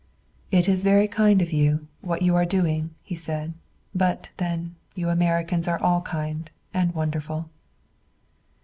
"It is very kind of you, what you are doing," he said. "But, then, you Americans are all kind. And wonderful."